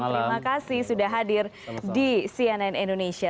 terima kasih sudah hadir di cnn indonesia